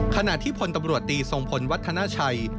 ขณะที่พลตำรวจตีทรงพลวัฒนาชัย